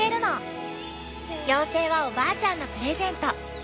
妖精はおばあちゃんのプレゼント。